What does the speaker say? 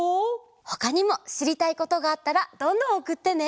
ほかにもしりたいことがあったらどんどんおくってね！